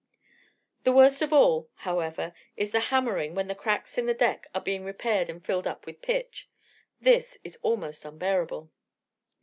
The worst of all, however, is the hammering when the cracks in the deck are being repaired and filled up with pitch. This is almost unbearable.